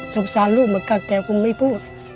สงสารลูกเหมือนกันแต่คุณไม่พูด